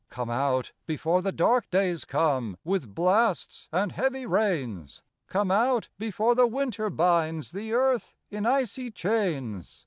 Come out, before the dark days come, With blasts and heavy rains : Come out, before the winter binds The earth in icy chains.